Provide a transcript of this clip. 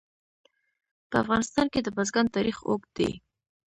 په افغانستان کې د بزګان تاریخ اوږد دی.